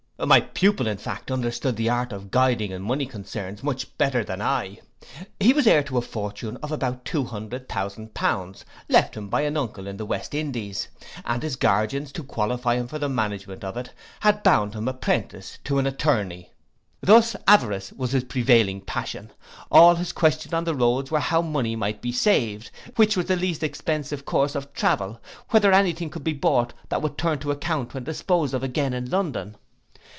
My pupil in fact understood the art of guiding in money concerns much better than I. He was heir to a fortune of about two hundred thousand pounds, left him by an uncle in the West Indies; and his guardians, to qualify him for the management of it, had bound him apprentice to an attorney. Thus avarice was his prevailing passion: all his questions on the road were how money might be saved, which was the least expensive course of travel; whether any thing could be bought that would turn to account when disposed of again in London.